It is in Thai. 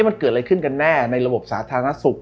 มันเกิดอะไรขึ้นกันแน่ในระบบสาธารณสุข